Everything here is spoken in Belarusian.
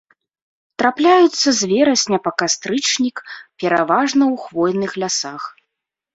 Трапляюцца з верасня па кастрычнік пераважна ў хвойных лясах.